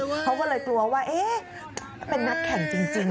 เพราะก็เลยกลัวว่าเป็นนักแข่งจริง